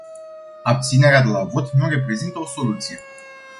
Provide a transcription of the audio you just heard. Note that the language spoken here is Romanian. Abținerea de la vot nu reprezintă o soluție.